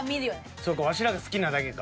そうかワシらが好きなだけか。